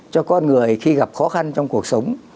cho con người khi gặp khó khăn trong cuộc sống